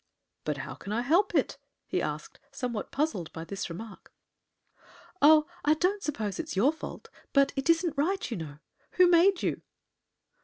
"But how can I help it?" he asked, somewhat puzzled by this remark. "Oh, I don't suppose it's your fault. But it isn't right, you know. Who made you?"